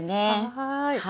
はい。